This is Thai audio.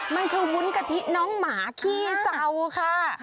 มันคือวุ้นกะทิน้องหมาขี้เศร้าค่ะ